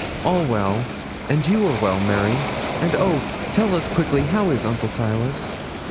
'All well, and you are well, Mary? and oh! tell us quickly how is Uncle Silas?'